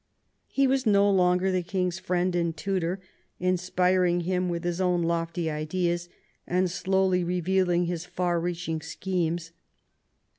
He was no longer the king^s friend and tutor, inspiring him with his own lofty ideas and slowly revealing Jbis far reaching schemes.